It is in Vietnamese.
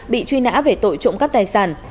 bị truy nã về tội trộm cắp tài sản